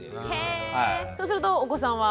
そうするとお子さんは？